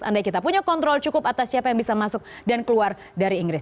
andai kita punya kontrol cukup atas siapa yang bisa masuk dan keluar dari inggris